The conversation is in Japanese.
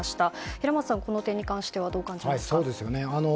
平松さん、この点に関してはどう感じますか。